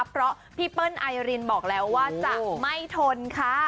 เพราะพี่เปิ้ลไอรินบอกแล้วว่าจะไม่ทนค่ะ